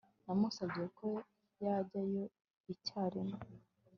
Namusabye ko yajyayo icyarimwe